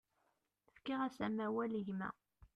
Fkiɣ-as amawal i gma.